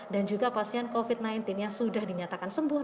dan juga pasien covid sembilan belas yang sudah dinyatakan sembuh